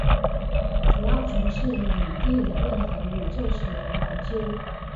主要从事引力理论和宇宙学研究。